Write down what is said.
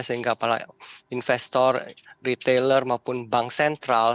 sehingga para investor retailer maupun bank sentral